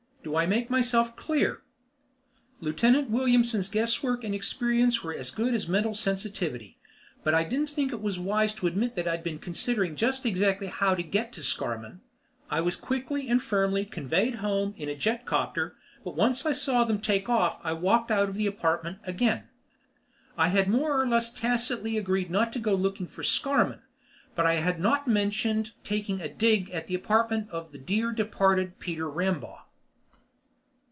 Do I make myself clear?" Lieutenant Williamson's guess work and experience were us good as mental sensitivity, but I didn't think it wise to admit that I had been considering just exactly how to get to Scarmann. I was quickly and firmly convoyed home in a jetcopter but once I saw them take off I walked out of the apartment again. I had more or less tacitly agreed not to go looking for Scarmann, but I had not mentioned taking a dig at the apartment of the dear departed, Peter Rambaugh.